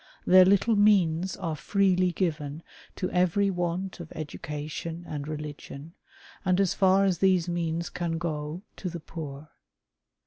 Their little means are freely given to every want of education and religion, and, as far as these means can go, to the poor.